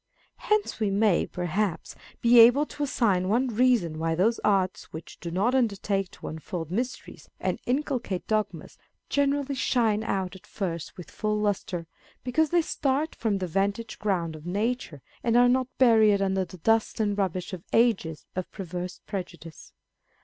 Hence we may, perhaps, be able to assign one reason why those arts which dp not undertake to unfold mysteries and inculcate dogmas, generally shine out at first with full lustre, because they start from the 'vantage ground of nature, and are not buried under the dust and rubbish of ages of perverse prejudice.